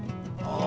ああ。